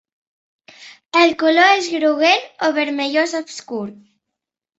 El color és groguenc o vermellós obscur.